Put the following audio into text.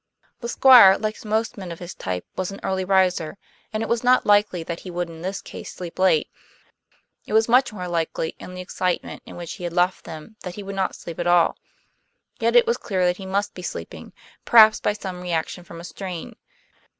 The Squire, like most men of his type, was an early riser, and it was not likely that he would in this case sleep late; it was much more likely, in the excitement in which he had left them, that he would not sleep at all. Yet it was clear that he must be sleeping, perhaps by some reaction from a strain.